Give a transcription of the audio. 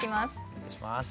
お願いします。